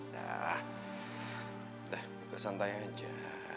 dah dah santai aja